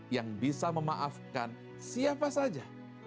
yang bisa memaafkan siapa saja